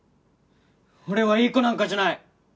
俺はいい子なんかじゃない！